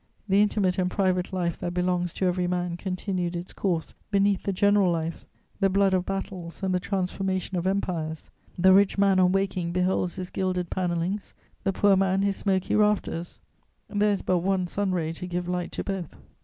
The intimate and private life that belongs to every man continued its course beneath the general life, the blood of battles and the transformation of empires. The rich man, on waking, beholds his gilded panellings, the poor man his smoky rafters: there is but one sun ray to give light to both.